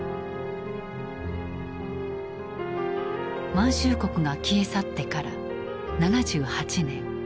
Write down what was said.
満州国が消え去ってから７８年。